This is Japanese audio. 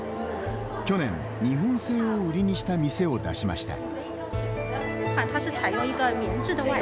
去年、日本製を売りにした店を出しました。